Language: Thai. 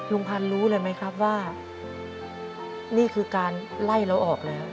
ลุงพันธ์รู้เลยไหมครับว่านี่คือการไล่เราออกแล้ว